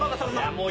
もう。